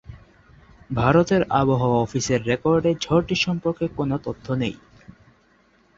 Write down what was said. ভারতের আবহাওয়া অফিসের রেকর্ডে ঝড়টি সম্পর্কে কোন তথ্য নেই।